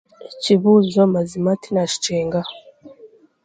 Ekibuuzo mazima tinaakikyengaho.